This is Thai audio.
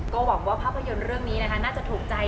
ก็หวังว่าภาพยนตร์เรื่องนี้นะคะน่าจะถูกใจ